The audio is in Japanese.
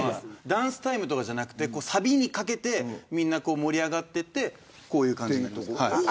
ダンスタイムとかじゃなくてサビにかけてみんな盛り上がっていく。